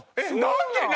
何で？